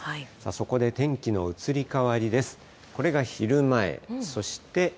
そこで天気の移り変わりです。